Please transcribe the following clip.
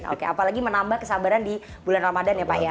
oke apalagi menambah kesabaran di bulan ramadan ya pak ya